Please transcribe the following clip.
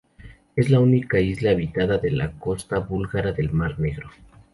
Es la única isla habitada de la costa búlgara del mar Negro.